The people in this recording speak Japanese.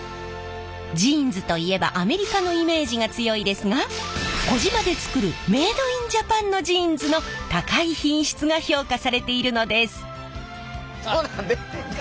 ジーンズといえばアメリカのイメージが強いですが児島で作るメードインジャパンのジーンズの高い品質が評価されているのです！